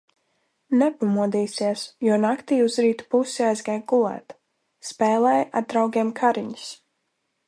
Nepamodīsies, jo naktī uz rīta pusi aizgāja gulēt. Spēlēja ar draugiem kariņus.